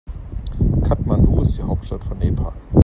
Kathmandu ist die Hauptstadt von Nepal.